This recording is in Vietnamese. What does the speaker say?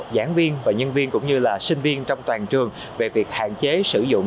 giảng viên và nhân viên cũng như là sinh viên trong toàn trường về việc hạn chế sử dụng